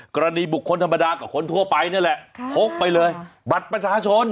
กรณีบุคคลธรรมดากับคนทั่วไปนั่นแหละพกไปเลยบัตรประชาชน